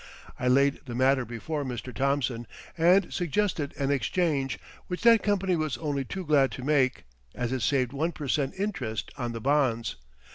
I laid the matter before Mr. Thomson and suggested an exchange, which that company was only too glad to make, as it saved one per cent interest on the bonds.